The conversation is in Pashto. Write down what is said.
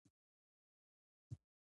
افغانستان د مزارشریف له پلوه متنوع دی.